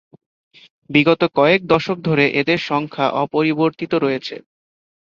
বিগত কয়েক দশক ধরে এদের সংখ্যা অপরিবর্তিত রয়েছে।